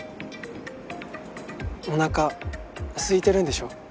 おなかすいてるんでしょ？